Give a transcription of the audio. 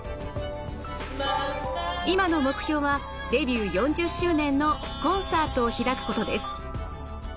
今の目標はデビュー４０周年のコンサートを開くことです。